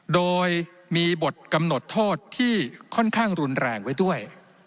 โดยมีบทกำหนดโทษที่ค่อนข้างรุนแรงไว้ด้วย